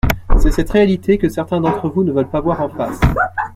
C’est cette réalité que certains d’entre vous ne veulent pas voir en face.